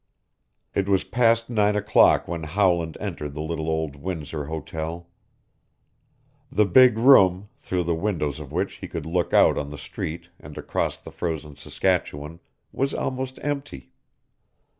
It was past nine o'clock when Howland entered the little old Windsor Hotel. The big room, through the windows of which he could look out on the street and across the frozen Saskatchewan, was almost empty.